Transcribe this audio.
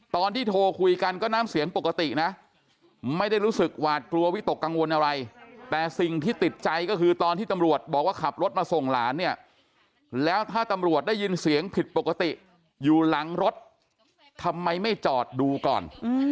ตอนที่ตำรวจบอกว่าขับรถมาส่งหลานเนี่ยแล้วถ้าตำรวจได้ยินเสียงผิดปกติอยู่หลังรถทำไมไม่จอดดูก่อน